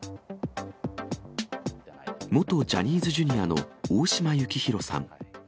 元ジャニーズＪｒ．の大島幸広さん。